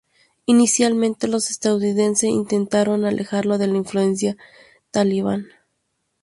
Inicialmente, los estadounidense intentaron alejarlo de la influencia talibán.